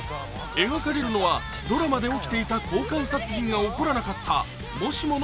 描かれるのはドラマで起きていた公開殺人が起こらなかったもしもの